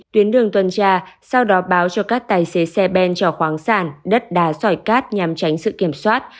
tuyến đường tuần tra sau đó báo cho các tài xế xe ben cho khoáng sản đất đá sỏi cát nhằm tránh sự kiểm soát